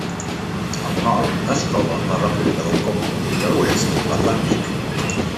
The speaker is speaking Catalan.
Al nord es troba la República del Congo i a l'oest l'Atlàntic.